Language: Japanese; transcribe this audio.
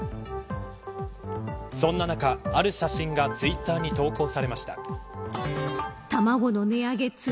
そんな中、ある写真がツイッターに投稿されました。